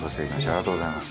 ありがとうございます。